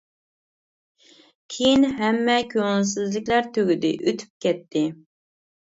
كېيىن ھەممە كۆڭۈلسىزلىكلەر تۈگىدى ئۆتۈپ كەتتى.